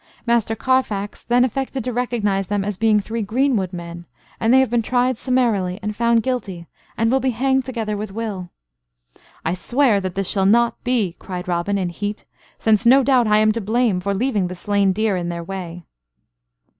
Master Carfax then affected to recognize them as being three greenwood men; and they have been tried summarily and found guilty, and will be hanged together with Will." "I swear that this shall not be," cried Robin, in heat, "since no doubt I am to blame for leaving the slain deer in their way."